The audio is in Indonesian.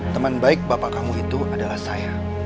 teman baik bapak kamu itu adalah saya